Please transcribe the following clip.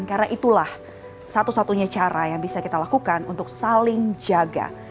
karena itulah satu satunya cara yang bisa kita lakukan untuk saling jaga